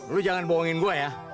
lu jangan bohongin gue ya